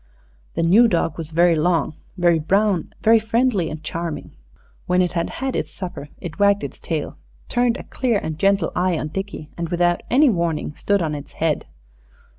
The new dog was very long, very brown, very friendly and charming. When it had had its supper it wagged its tail, turned a clear and gentle eye on Dickie, and without any warning stood on its head.